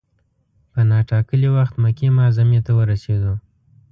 په نا ټا کلي وخت مکې معظمې ته ورسېدو.